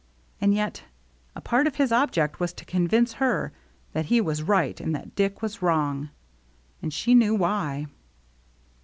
And yet, a part of his object was to convince her that he was right and that Dick was wrong ; and she knew why.